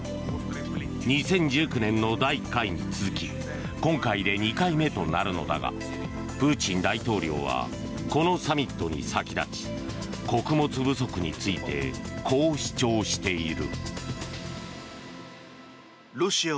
２０１９年の第１回に続き今回で２回目となるのだがプーチン大統領はこのサミットに先立ち穀物不足についてこう主張している。